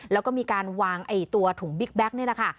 แล้วก็มีการวางตัวถุงบิ๊กแบ็คเนี่ยนะคะ